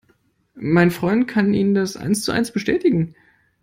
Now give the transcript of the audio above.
Mein Freund kann Ihnen das eins zu eins bestätigen.